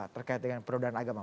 terkait dengan perodaan agama